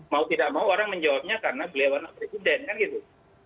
mau tidak mau orang menjawabnya karena beliau anak presiden kan gitu